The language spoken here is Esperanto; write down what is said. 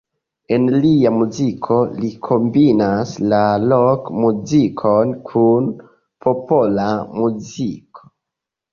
En lia muziko li kombinas la rok-muzikon kun popola muziko.